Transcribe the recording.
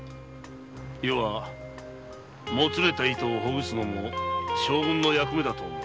余はもつれた糸をほぐすのも将軍の役目だと思う。